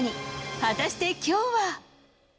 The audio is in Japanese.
はたしてきょうは。